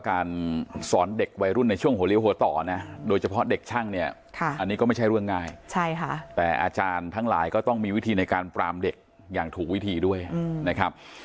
การสอนเด็กวัยรุ่นในช่วงหัวเลี้ยหัวต่อนะโดยเฉพาะเด็กช่างเนี่ยอันนี้ก็ไม่ใช่เรื่องง่ายใช่ค่ะแต่อาจารย์ทั้งหลายก็ต้องมีวิธีในการปรามเด็กอย่างถูกวิธีด้วยนะครับ